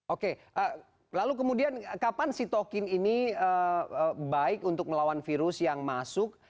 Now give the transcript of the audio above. oke lalu kemudian kapan sitokin ini baik untuk melawan virus yang masuk